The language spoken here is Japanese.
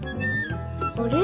あれ？